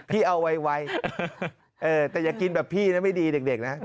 พี่เอาไวแต่อย่ากินแบบพี่นะไม่ดีเด็กนะ